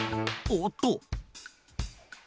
おおっと。